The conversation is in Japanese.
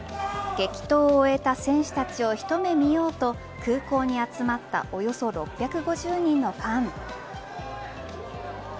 激闘を終えた選手たちを一目見ようと空港に集まったおよそ６５０人のファン。